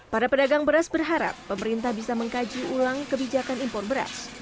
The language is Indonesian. para pedagang beras berharap pemerintah bisa mengkaji ulang kebijakan impor beras